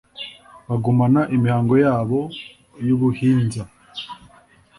bagumana imihango yabo y’Ubuhinza